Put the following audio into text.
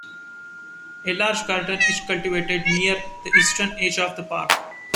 A large garden is cultivated near the eastern edge of the park.